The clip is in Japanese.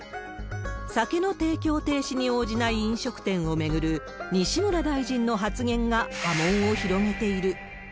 酒の提供停止に応じない飲食店を巡る、西村大臣の発言が波紋を広げている。